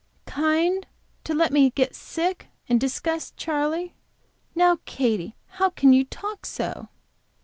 "Kind to let me get sick and disgust Charley? Now, Katy, how can you talk so?"